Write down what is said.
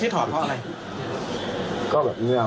เพราะกลัวมันจะเปื้องพร้อมทั้งมีการถอดเสื้อสีขาวออก